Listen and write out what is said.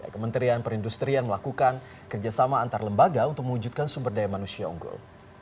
kementerian perindustrian melakukan kerjasama antar lembaga untuk mewujudkan sumber daya manusia unggul